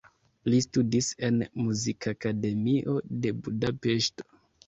Li studis en Muzikakademio de Budapeŝto.